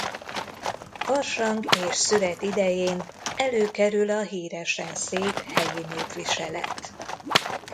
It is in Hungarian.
Farsang és szüret idején előkerül a híresen szép helyi népviselet.